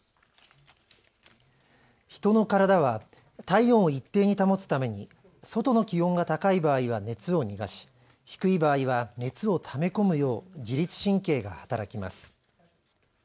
人の体は体温を一定に保つために外の気温が高い場合は熱を逃し低い場合は熱をため込むよう自律神経が働きます。